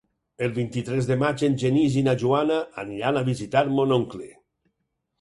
El vint-i-tres de maig en Genís i na Joana aniran a visitar mon oncle.